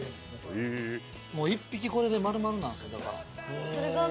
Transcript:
もう１匹これで丸々なんですねだから。